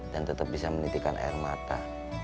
dan tetap bisa menitikan air mata